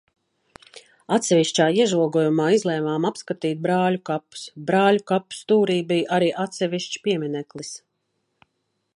Atsevišķā iežogojumā izlēmām apskatīti Brāļu kapus. Brāļu kapu stūrī bija arī atsevišķs piemineklis.